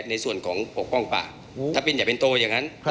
มีการที่จะพยายามติดศิลป์บ่นเจ้าพระงานนะครับ